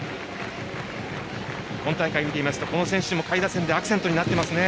今大会を見てみますとこの選手も下位打線でアクセントとなっていますね。